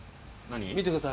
何？